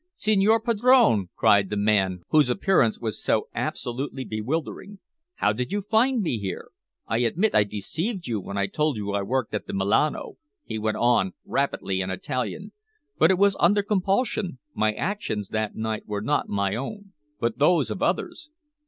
"Signor Padrone!" cried the man whose appearance was so absolutely bewildering. "How did you find me here? I admit that I deceived you when I told you I worked at the Milano," he went on rapidly in Italian. "But it was under compulsion my actions that night were not my own but those of others."